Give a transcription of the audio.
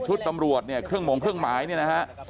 ตำรวจเนี่ยเครื่องหมงเครื่องหมายเนี่ยนะฮะ